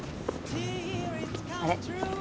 あれ？